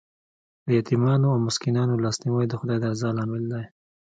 د یتیمانو او مسکینانو لاسنیوی د خدای د رضا لامل دی.